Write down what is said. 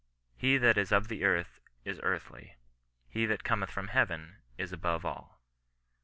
He that is of the earth is earthly ; he that cometh from heaven is aboys ALL."